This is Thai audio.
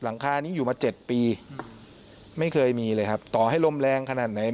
หลังคานี้อยู่มาเจ็ดปีไม่เคยมีเลยครับต่อให้ลมแรงขนาดไหน